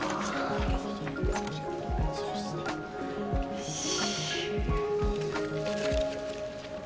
よし。